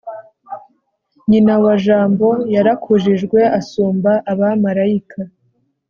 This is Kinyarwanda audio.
nyina wa jambo yarakujijwe asumba abamarayika